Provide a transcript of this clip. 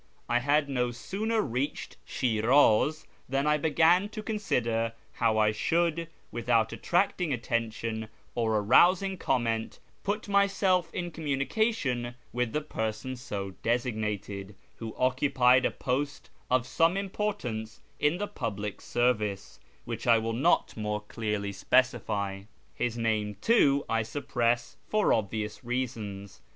I had no sooner reached Shfraz than I began to consider how I should, without attract ing attention or arousing comment, put myself in communi cation with the person so designated, who occupied a post of some importance in the public service which I will not more clearly specify. His name, too, I suppress for obvious reasons.